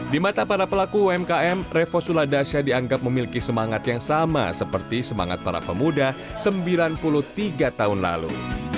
di mata para pelaku umkm revo suladasya dianggap memiliki semangat yang sama seperti semangat para pemuda sembilan puluh tiga tahun lalu